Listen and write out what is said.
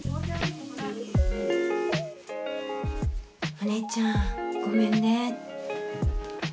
お姉ちゃんごめんね。